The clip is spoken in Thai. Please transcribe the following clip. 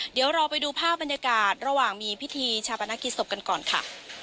เดี๋ยวเราไปดูภาพบรรยากาศระหว่างมีพิธีชาปนกิจศพกันก่อนค่ะ